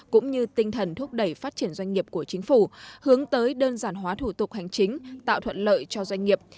cũng như tinh thần thúc đẩy phát triển doanh nghiệp của chính phủ hướng tới đơn giản hóa thủ tục hành chính tạo thuận lợi cho doanh nghiệp